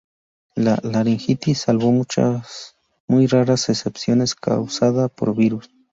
La laringitis, salvo muy raras excepciones, es causada por virus.